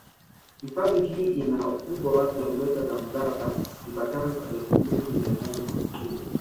Hifadhi hii ina ukubwa wa kilometa za mraba zipatazo elfu mbili mia nane hamsini